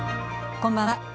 こんばんは。